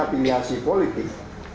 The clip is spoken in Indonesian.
atau memiliki afiliasi politik